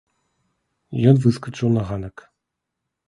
Ён выскачыў на ганак.